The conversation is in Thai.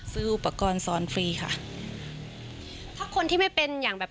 ซื้ออุปกรณ์สอนฟรีค่ะถ้าคนที่ไม่เป็นอย่างแบบ